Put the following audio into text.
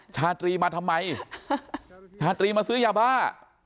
ชาตรีมาทำไมชาตรีมาซื้อยาบ้า